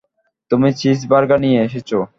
তুমি চিজবার্গার নিয়ে এসেছো।